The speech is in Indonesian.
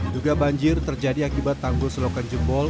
duga banjir terjadi akibat tanggul selokan jempol